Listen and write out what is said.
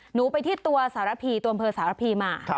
หนูไปที่ตัวสาระพีตัวมเพลินสาระพีมา